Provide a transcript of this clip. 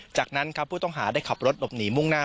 จากนั้นครับผู้ต้องหาได้ขับรถหลบหนีมุ่งหน้า